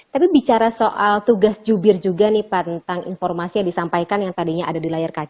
tapi bicara soal tugas jubir juga nih pak tentang informasi yang disampaikan yang tadinya ada di layar kaca